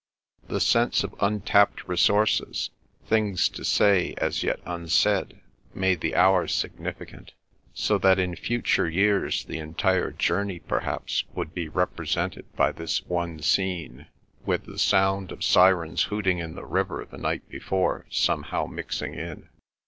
The sense of untapped resources, things to say as yet unsaid, made the hour significant, so that in future years the entire journey perhaps would be represented by this one scene, with the sound of sirens hooting in the river the night before, somehow mixing in.